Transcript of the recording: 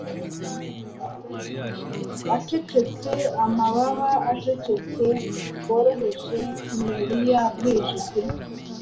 Acecetse amababa acecetse bworoheje Kimmerian bwije pe